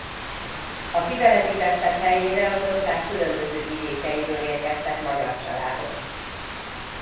A kitelepítettek helyére az ország különböző vidékeiről érkeztek magyar családok.